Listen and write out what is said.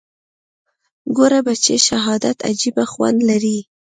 ګوره بچى شهادت عجيبه خوند لري.